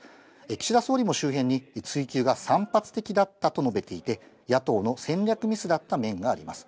岸田総理も周辺に、追及が散発的だったと述べていて、野党の戦略ミスだった面があります。